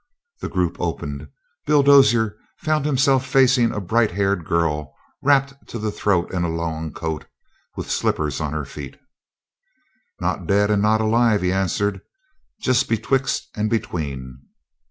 The group opened; Bill Dozier found himself facing a bright haired girl wrapped to the throat in a long coat, with slippers on her feet. "Not dead and not alive," he answered. "Just betwixt and between."